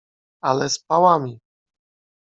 Ale z pałami.